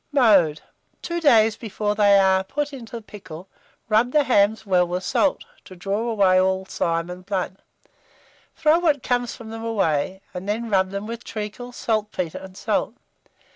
Mode. Two days before they are put into pickle, rub the hams well with salt, to draw away all slime and blood. Throw what comes from them away, and then rub them with treacle, saltpetre, and salt.